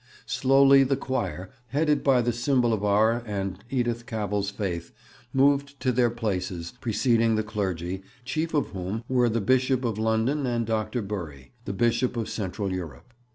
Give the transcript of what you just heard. Slowly the choir, headed by the symbol of our and Edith Cavell's faith, moved to their places, preceding the clergy, chief of whom were the Bishop of London and Dr. Bury, the Bishop of Central Europe.